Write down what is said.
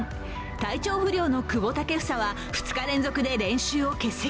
体調不良の久保建英は２日連続で練習を欠席。